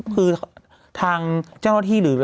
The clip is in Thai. คือทองจ้านาที่หรือ